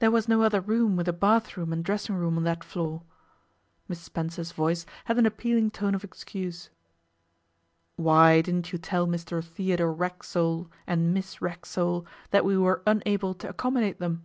There was no other room with a bathroom and dressing room on that floor.' Miss Spencer's voice had an appealing tone of excuse. 'Why didn't you tell Mr Theodore Racksole and Miss Racksole that we were unable to accommodate them?